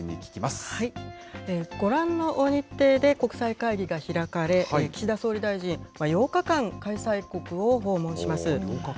ご覧の日程で国際会議が開かれ、岸田総理大臣、８日間、開催国を訪問します。